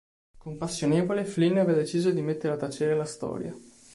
Compassionevole, Flynn aveva deciso di mettere a tacere la storia.